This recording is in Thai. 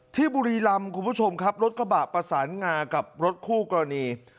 บุรีรำคุณผู้ชมครับรถกระบะประสานงากับรถคู่กรณี